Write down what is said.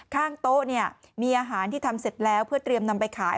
ข้างโต๊ะเนี่ยมีอาหารที่ทำเสร็จแล้วเพื่อเตรียมนำไปขาย